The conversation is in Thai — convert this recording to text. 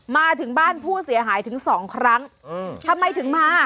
มาถึงบ้านผู้เสียหายถึงสองครั้งอืมทำไมถึงมา